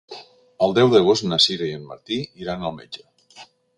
El deu d'agost na Sira i en Martí iran al metge.